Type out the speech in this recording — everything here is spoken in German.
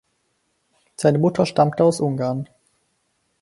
Seine Mutter stammte aus Ungarn.